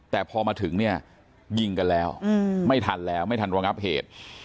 แต่พอมาถึงเนี่ยยิงกันแล้วไม่ทันแล้วไม่ทันระงับเหตุ